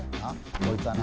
こいつはな